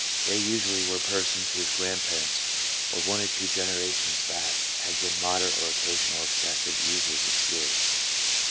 " They usually were persons whose grandparents, one or two generations back, had been moderate or occasional excessive users of spirits.